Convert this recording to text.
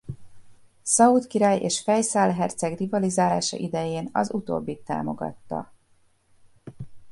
Szaúd király és Fejszál herceg rivalizálása idején az utóbbit támogatta.